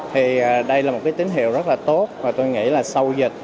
thì đây là một cái tín hiệu rất là tốt và tôi nghĩ là sau dịch